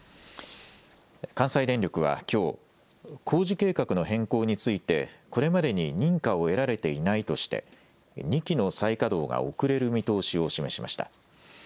関西電力はきょう工事計画の変更についてこれまでに認可を得られていないとして２基の再稼働が遅れる見通しを示しました。